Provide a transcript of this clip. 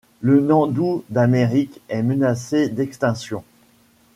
Le nandou d'Amérique est menacé d'extinction.